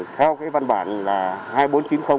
theo văn bản hai nghìn bốn trăm chín mươi ủy ban dân tp